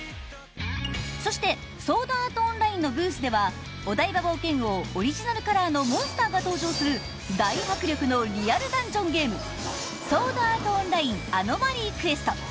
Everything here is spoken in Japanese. そして「ソードアート・オンライン」のブースではお台場冒険王オリジナルカラーのモンスターが登場する大迫力のリアルダンジョンゲーム「ソードアート・オンライン‐アノマリー・クエスト‐」。